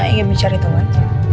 ingin mencari tahu aja